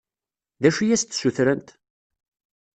D acu i as-d-ssutrent?